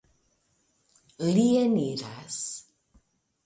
Li eniras.